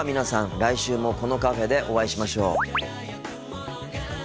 来週もこのカフェでお会いしましょう。